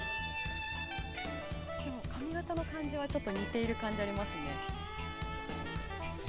髪形の感じは似ている感じがありますよね。